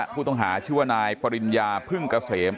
ผู้ต้องหาชื่อว่านายปริญญาพึ่งเกษม